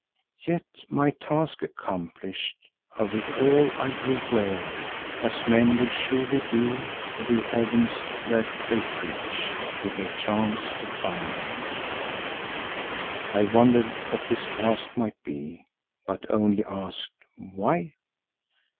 Yet, my task accomplished, of it all I grew weary, as men will surely do of the heavens that they preach, should they chance to find them." I wondered what this "task" might be, but only asked, "Why?"